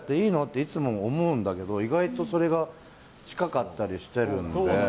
いつも思うんだけど意外とそれが近かったりしているので。